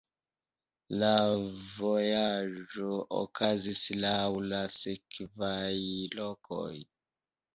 La vojaĝo okazis laŭ la sekvaj lokoj.